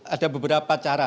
ada beberapa cara